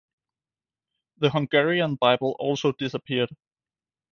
The Hungarian Bible also disappeared.